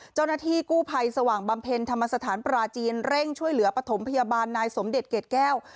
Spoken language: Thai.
เจ้าหน้าที่กู้ภัยสว่างบำเพ็ญธรรมสถานปราจีนเร่งช่วยเหลือปฐมพยาบาลนายสมเด็จเกรดแก้ว